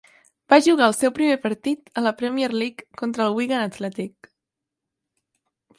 Va jugar el seu primer partit a la Premier League contra el Wigan Athletic.